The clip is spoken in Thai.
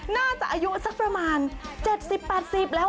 น่าจะอายุสักประมาณ๗๐๘๐แล้ว